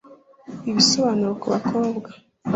ibisobanuro ku bakobwa *